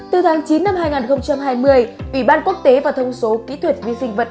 từ tháng chín năm hai nghìn hai mươi ủy ban quốc tế và thông số kỹ thuật vi sinh vật